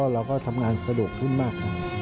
เราก็ทำงานสะดวกขึ้นมากครับ